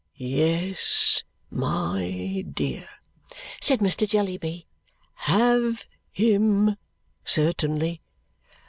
"Yes, my dear," said Mr. Jellyby. "Have him, certainly.